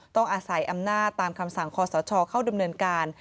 ต้องอาศัยอำนาจตามคำสั่งคอสชเข้าดำเนินการ